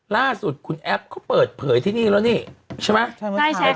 ล่าสุดคุณแอปก็เปิดเผยที่นี่แล้วนี่ใช่ไหมแชร์แชร์ข่าวให้กัน